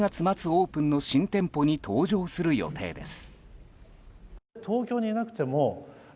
オープンの新店舗に登場する予定です。